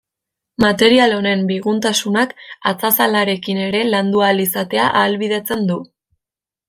Material honen biguntasunak, atzazalarekin ere landu ahal izatea ahalbidetzen du.